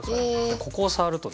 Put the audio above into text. ここを触るとね